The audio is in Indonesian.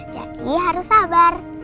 jadi harus sabar